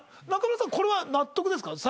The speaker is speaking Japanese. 中村さんこれは納得ですか？